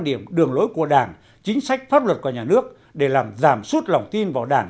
trọng lối của đảng chính sách pháp luật của nhà nước để làm giảm sút lòng tin vào đảng